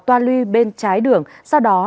toa lưu bên trái đường sau đó